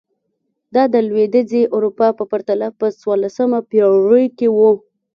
دا د لوېدیځې اروپا په پرتله په څوارلسمه پېړۍ کې و.